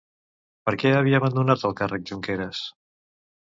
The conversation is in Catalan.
Per què havia abandonat el càrrec Junqueras?